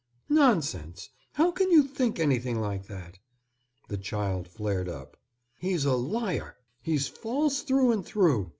"Nonsense. How can you think anything like that?" The child flared up. "He's a liar. He's false through and through.